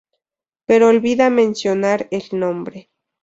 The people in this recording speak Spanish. Pero olvida mencionar el nombre.